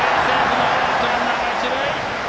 ノーアウト、ランナーが一塁。